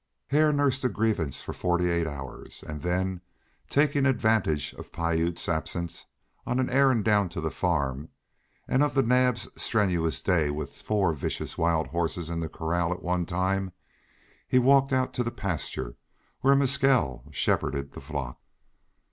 Hare nursed a grievance for forty eight hours, and then, taking advantage of Piute's absence on an errand down to the farm, and of the Naabs' strenuous day with four vicious wild horses in the corral at one time, he walked out to the pasture where Mescal shepherded the flock.